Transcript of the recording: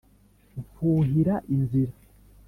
mfuhira inzira